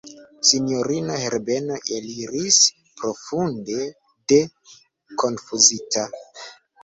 Sinjorino Herbeno eliris profunde konfuzita.